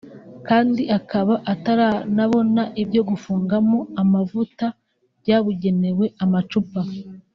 kandi akaba ataranabona ibyo gufungamo amavuta byabugenewe (amacupa